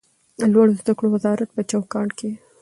د لوړو زده کړو وزارت په چوکاټ کې